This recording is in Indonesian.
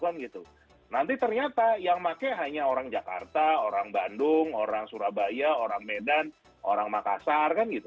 nanti ternyata yang pakai hanya orang jakarta orang bandung orang surabaya orang medan orang makassar